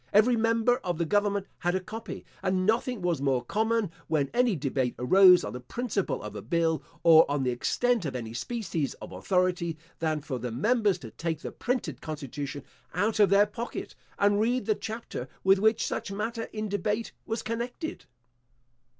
Every member of the government had a copy; and nothing was more common, when any debate arose on the principle of a bill, or on the extent of any species of authority, than for the members to take the printed constitution out of their pocket, and read the chapter with which such matter in debate was connected.